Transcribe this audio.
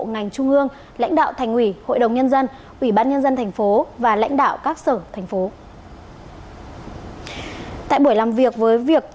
ngành trung ương lãnh đạo thành ủy